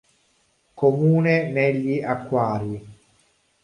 Comune negli acquari.